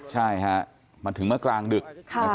ใช่ครับมันถึงเมื่อกลางดึก